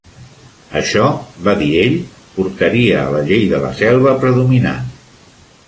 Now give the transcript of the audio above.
Això, va dir ell, portaria a la llei de la selva predominant.